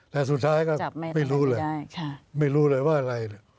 แต่สุดท้ายก็ไม่รู้เลยว่าอะไร